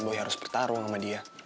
boy harus bertarung sama dia